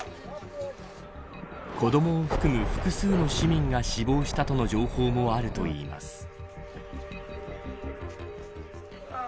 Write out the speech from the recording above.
子どもを含む複数の市民が死亡したとの情報もあるといいます。